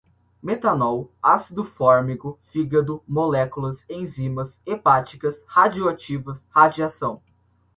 metanol, ácido fórmigo, fígado, moléculas, enzimas, hepáticas, radioativas, radiação